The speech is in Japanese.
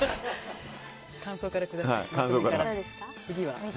感想からくださいね。